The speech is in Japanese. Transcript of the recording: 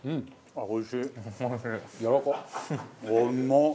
あっおいしい。